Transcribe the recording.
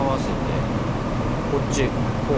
こっちこう。